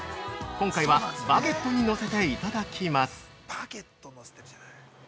今回はバゲットにのせていただきます◆